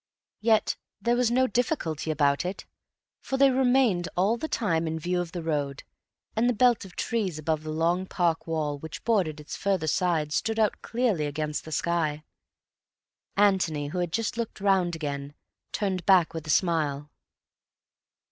Yet there was no difficulty about it, for they remained all the time in view of the road, and the belt of trees above the long park wall which bordered its further side stood out clearly against the sky. Antony, who had just looked round again, turned back with a smile.